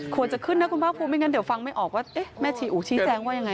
ขวดจะขึ้นนะคุณภาพภูมิเดี๋ยวจะฟังไม่ออกว่าแม่ชี้อู๋ชี้แจ้งว่าอย่างไร